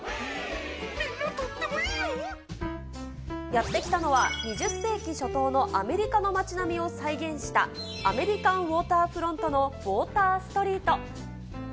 やって来たのは、２０世紀初頭のアメリカの街並みを再現した、アメリカンウォーターフロントのウォーターストリート。